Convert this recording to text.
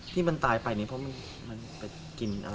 ที่มันตายไปนี่เพราะมันไปกินอะไร